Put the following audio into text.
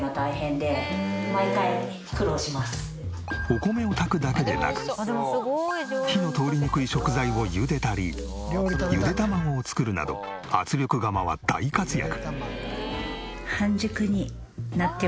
お米を炊くだけでなく火の通りにくい食材をゆでたりゆで卵を作るなど圧力釜は大活躍。